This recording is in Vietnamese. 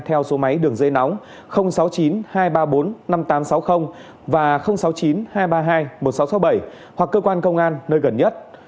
theo số máy đường dây nóng sáu mươi chín hai trăm ba mươi bốn năm nghìn tám trăm sáu mươi và sáu mươi chín hai trăm ba mươi hai một nghìn sáu trăm sáu mươi bảy hoặc cơ quan công an nơi gần nhất